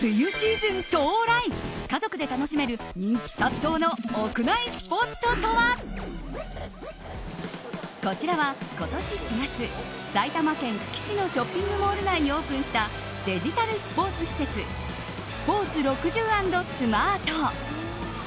イチゴが何やろうちょっと酸味もあってこちらは、今年４月埼玉県久喜市のショッピングモール内にオープンしたデジタルスポーツ施設スポーツ６０＆スマート。